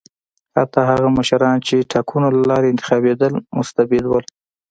حتی هغه مشران چې ټاکنو له لارې انتخابېدل مستبد وو.